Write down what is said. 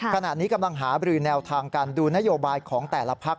ขณะนี้กำลังหาบรือแนวทางการดูนโยบายของแต่ละพัก